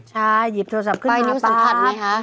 ใช่หยิบโทรศัพท์ขึ้นมาตราบ